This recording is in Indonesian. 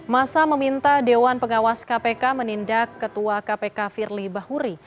masa meminta dewan pengawas kpk menindak ketua kpk firly bahuri